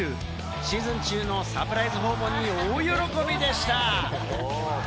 シーズン中のサプライズ訪問に大喜びでした。